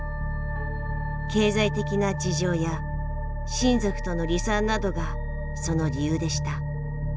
経済的な事情や親族との離散などがその理由でした。